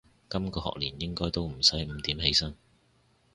今個學年應該都唔使五點起身